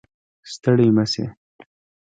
ستړی مه شې